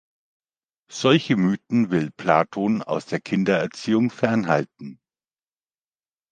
Solche Mythen will Platon aus der Kindererziehung fernhalten.